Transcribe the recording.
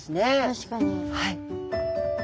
確かに。